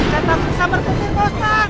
kita tak bisa bertahan ustaz